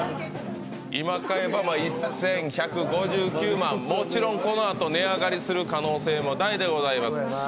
今買えば１１５９万、もちろん、このあと値上がりする可能性も大でございます。